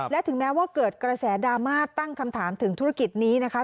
และถึงแม้ว่าเกิดกระแสดราม่าตั้งคำถามถึงธุรกิจนี้นะคะ